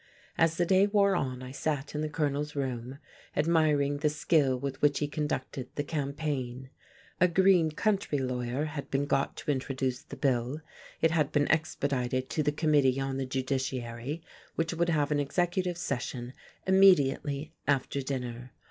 As the day wore on I sat in the Colonel's room, admiring the skill with which he conducted the campaign: a green country lawyer had been got to introduce the bill, it had been expedited to the Committee on the Judiciary, which would have an executive session immediately after dinner.